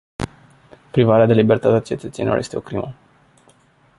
Privarea de libertate a cetățenilor este o crimă.